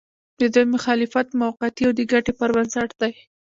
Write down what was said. د دوی مخالفت موقعتي او د ګټې پر بنسټ دی.